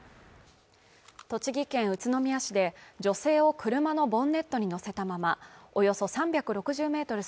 栃木県宇都宮市で女性を車のボンネットに乗せたままおよそ３６０メートル